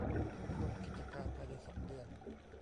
ควบรวมกิจการภายในสองเดือน